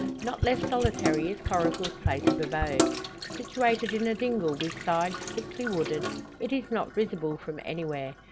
Not less solitary is Coracle's place of abode. Situated in a dingle with sides thickly wooded, it is not visible from anywhere.